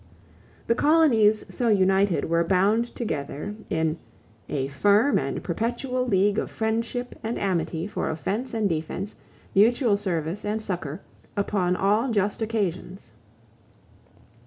The colonies so united were bound together in "a firm and perpetual league of friendship and amity for offense and defense, mutual service and succor, upon all just occasions."